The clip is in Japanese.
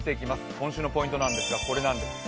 今週のポイントなんですが、これなんです。